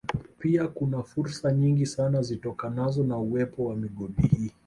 Pia kuna fursa nyingi sana zitokanazo na uwepo wa migodi hii